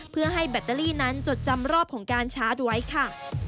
เพื่อให้แบตเตอรี่นั้นจดจำรอบของการชาร์จไว้ค่ะ